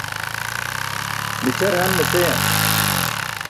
mićʰar han ne seyan